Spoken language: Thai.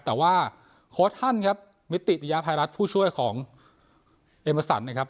แต่ว่าโค้ชท่านครับมิติยภัยรัฐผู้ช่วยของเอมสันนะครับ